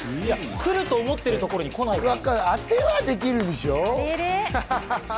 来ると思ってるところに来ないんですよ。